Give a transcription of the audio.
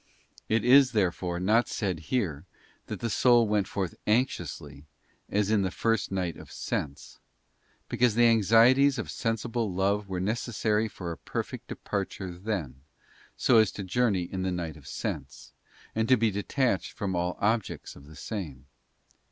It is, therefore, not said here that the soul went forth anxiously, as in the first night of sense, because the anxieties of sensible love were necessary for a perfect departure then, so as to journey in the night of sense, and to be detached from all objects of the same.